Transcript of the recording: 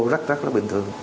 rất rất là bình thường